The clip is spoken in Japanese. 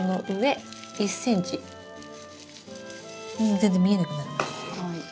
全然見えなくなるまで。